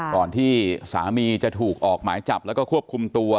ก่อนที่สามีจะถูกออกหมายจับแล้วก็ควบคุมตัว